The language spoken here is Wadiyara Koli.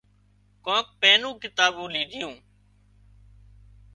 ڪانڪ پئينُون ڪتاٻُون ليڌيون